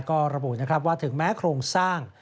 ก็ระบุว่าถึงแม้โครงสร้าง